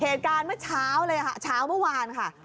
เหตุการณ์เมื่อเช้าเลยค่ะเช้าเมื่อวานค่ะ